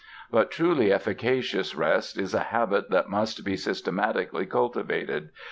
But truly efficacious rest is a habit that must be systematically cultivated.